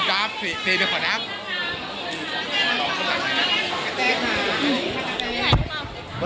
แปบน้ำครับ